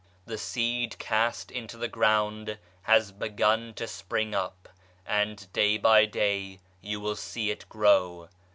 The seed cast into the ground has begun to spring up, and day by day you will see it grow.